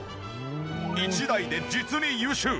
１台で実に優秀！